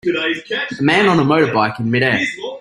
A man on a motorbike in midair